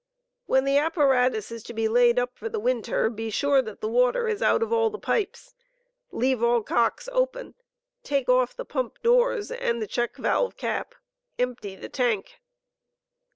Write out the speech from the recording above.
When the apparatus is to be laid up for the winter, be sure that the water is vi at0 ,^ all out of the pipes; leave all cooks open; take off the punip doore and the check . caati<ms valve cap; empty the tank.